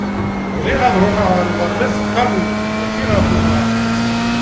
Bɣiɣ ad ṛuḥeɣ ar uɣerbaz s tkeṛṛust, mačči ɣef uḍaṛ.